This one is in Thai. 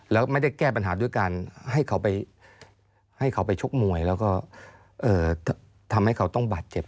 แล้วไม่ได้แก้ปัญหาด้วยการให้เขาไปให้เขาไปชกมวยแล้วก็ทำให้เขาต้องบาดเจ็บ